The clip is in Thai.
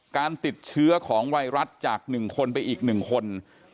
การติดเชื้อของไวรัสจาก๑คนไปอีก๑คน